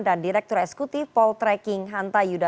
dan direktur eskutif paul trekking hanta yudha